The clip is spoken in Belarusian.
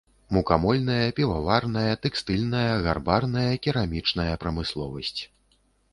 Мукамольная, піваварная, тэкстыльная, гарбарная, керамічная прамысловасць.